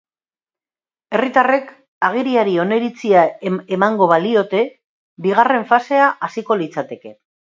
Herritarrek agiriari oniritzia emango baliote, bigarren fasea hasiko litzateke.